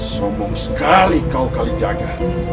sombong sekali kau kalijaga